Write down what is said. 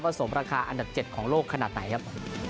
สมราคาอันดับ๗ของโลกขนาดไหนครับ